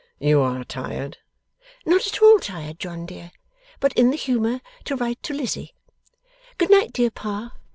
'You are tired.' 'Not at all tired, John dear, but in the humour to write to Lizzie. Good night, dear Pa.